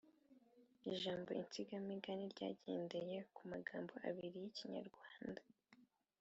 Ijambo Insigamigani ryagendeye ku magambo abiri y’ikinyarwnda a